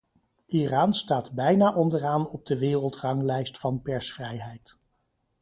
Iran staat bijna onderaan op de wereldranglijst van persvrijheid.